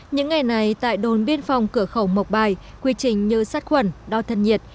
những ngày này tại đồn biên phòng cửa khẩu mộc bài quy trình như sát khuẩn đo thân nhiệt